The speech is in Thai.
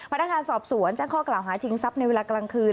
พนักงานสอบสวนแจ้งข้อกล่าวหาชิงทรัพย์ในเวลากลางคืน